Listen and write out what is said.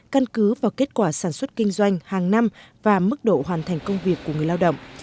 căn cứ vào kết quả sản xuất kinh doanh hàng năm và mức độ hoàn thành công việc của người lao động